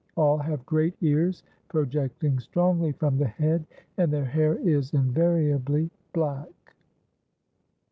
All have great ears, projecting strongly from the head, and their hair is invariably black.